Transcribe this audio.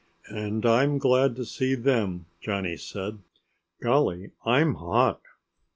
"And I'm glad to see them," Johnny said. "Golly, I'm hot."